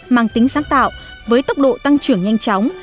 mang tính sáng tạo với tốc độ tăng trưởng nhanh chóng